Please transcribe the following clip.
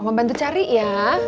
om mau bantu cari ya